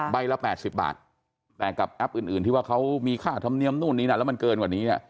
ละ๘๐บาทแต่กับแอปอื่นที่ว่าเขามีค่าธรรมเนียมนู่นนี่นั่นแล้วมันเกินกว่านี้เนี่ย